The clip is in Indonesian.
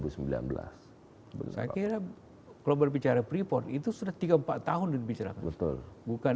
saya kira kalau berbicara freeport itu sudah tiga empat tahun dibicarakan